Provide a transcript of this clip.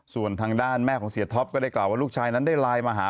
ส่วนทางด้านแม่ของเสียท็อปก็ได้กล่าวว่าลูกชายนั้นได้ไลน์มาหา